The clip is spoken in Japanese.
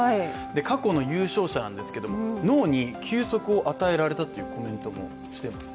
過去の優勝者なんですけども、脳に休息を与えられたというコメントもしています。